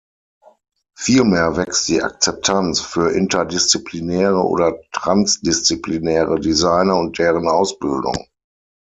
Vielmehr wächst die Akzeptanz für interdisziplinäre oder transdisziplinäre Designer und deren Ausbildung.